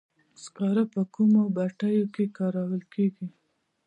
سکاره په کومو بټیو کې کارول کیږي؟